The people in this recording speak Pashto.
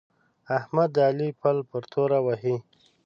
احمد د علي پل پر توره وهي.